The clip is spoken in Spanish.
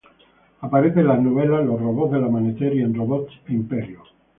Aparece en las novelas: Los robots del amanecer, y en Robots e Imperio.